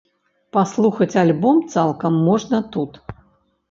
Паслухаць альбом цалкам можна тут.